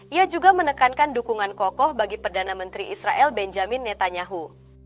ia juga menekankan dukungan kokoh bagi perdana menteri israel benjamin netanyahu